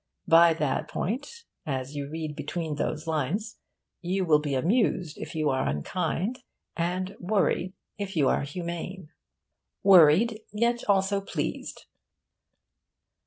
By that point, as you read between those lines, you will be amused if you are unkind, and worried if you are humane. Worried, yet also pleased.